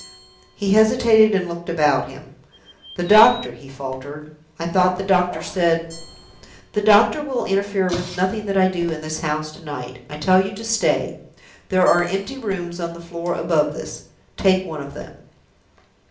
He hesitated, and looked about him. "The doctor," he faltered. "I thought the doctor said " "The doctor will interfere with nothing that I do in this house to night. I tell you to stay. There are empty rooms on the floor above this. Take one of them."